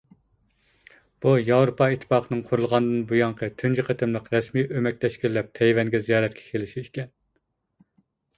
بۇ ياۋروپا ئىتتىپاقىنىڭ قۇرۇلغاندىن بۇيانقى تۇنجى قېتىملىق رەسمىي ئۆمەك تەشكىللەپ تەيۋەنگە زىيارەتكە كېلىشى ئىكەن.